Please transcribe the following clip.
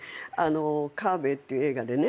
『母べえ』っていう映画でね